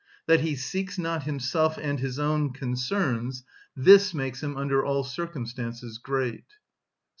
That he seeks not himself and his own concerns, this makes him under all circumstances great.